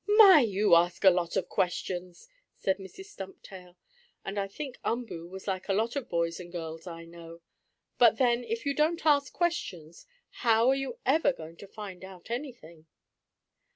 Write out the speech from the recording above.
"My! But you ask a lot of questions," said Mrs. Stumptail; and I think Umboo was like a lot of boys and girls I know. But then if you don't ask questions how are you ever going to find out anything?